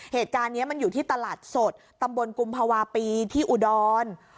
เหตุการณ์นี้มันอยู่ที่ตลาดสดตำบลกุมภาวะปีที่อุดร